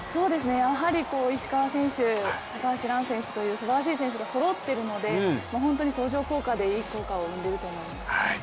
やはり石川選手、高橋藍選手というすばらしい選手がそろっているので、本当に相乗効果でいい効果を生んでると思います。